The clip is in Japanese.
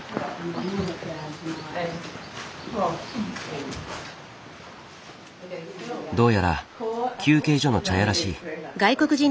どうやら休憩所の茶屋らしい。